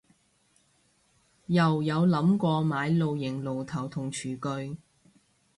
又有諗過買露營爐頭同廚具